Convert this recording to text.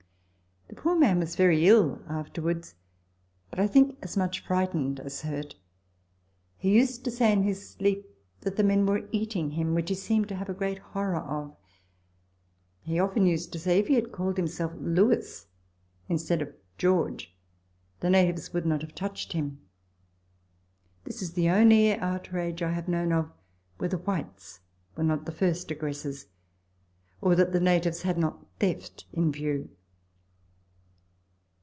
The poor man was very ill afterwards, but, I think, as much frightened as hurt ; he used to say in his sleep that the men were eating him, which he seemed to have a great horror of ; he often used to say if he had called himself "Lewis " instead of "George " the natives would not have touched him. This is the only outrage I Letters from Victorian Pioneers. 33 have known of, where the whites were not the first aggressors, or that the natives had not theft in view.